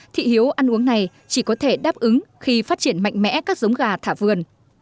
thị hiếu ăn uống này chỉ có thể đáp ứng khi phát triển mạnh mẽ các giống gà thả vườn